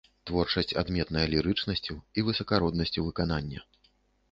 Творчасць адметная лірычнасцю і высакароднасцю выканання.